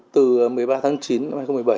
từ một mươi ba tháng chín năm hai nghìn một mươi bảy